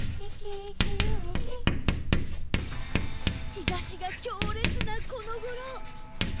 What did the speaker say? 日差しが強烈なこの頃